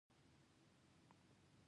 اوس ودانۍ او پاخه سړکونه رسیدلي.